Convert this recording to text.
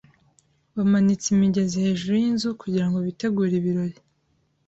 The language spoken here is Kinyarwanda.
Bamanitse imigezi hejuru yinzu kugirango bitegure ibirori.